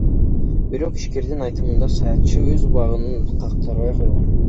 Бирок ишкердин айтымында саясатчы өз убадасын аткарбай койгон.